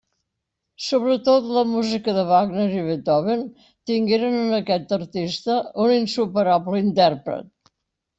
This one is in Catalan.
Sobretot la música de Wagner i Beethoven tingueren en aquest artista un insuperable intèrpret.